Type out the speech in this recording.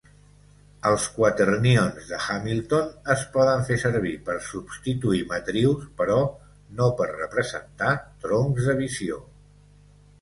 Els quaternions de Hamilton es poden fer servir per substituir matrius, però no per representar troncs de visió.